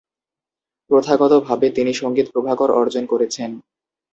প্রথাগত ভাবে তিনি 'সঙ্গীত প্রভাকর' অর্জন করেছেন।